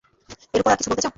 এর উপর আর কিছু বলতে চাও?